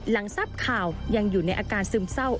หลังทราบข่าวยังอยู่ในอาการซึมเศร้า